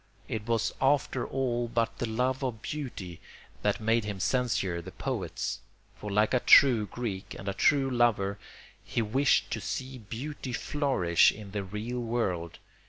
It was after all but the love of beauty that made him censure the poets; for like a true Greek and a true lover he wished to see beauty flourish in the real world.